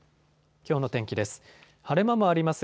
きょうの天気です。